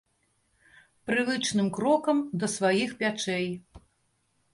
Прывычным крокам да сваіх пячэй.